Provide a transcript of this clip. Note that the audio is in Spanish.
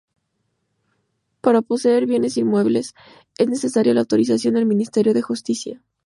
Para poseer bienes inmuebles, es necesaria la autorización del Ministerio de Justicia.